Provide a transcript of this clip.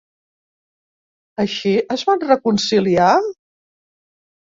Així es van reconciliar?